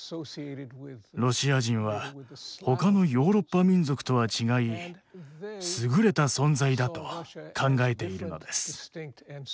ロシア人は他のヨーロッパ民族とは違い優れた存在だと考えているのです。